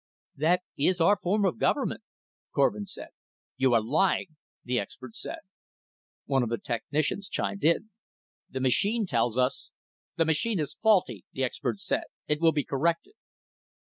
"That is our form of government," Korvin said. "You are lying," the expert said. One of the technicians chimed in: "The machine tells us " "Then the machine is faulty," the expert said. "It will be corrected."